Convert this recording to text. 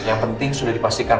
yang penting sudah dipastikan